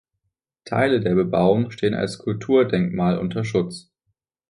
Teile der Bebauung stehen als Kulturdenkmal unter Schutz.